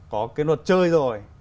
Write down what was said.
có cái luật chơi rồi